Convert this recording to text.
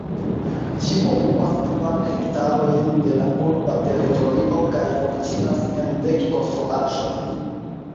Ĝi okupas kvar hektarojn de la urba teritorio kaj funkcias en dek konstruaĵoj.